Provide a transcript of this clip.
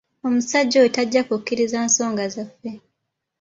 Omusajja oyo tajja kukkiriza nsonga zaffe.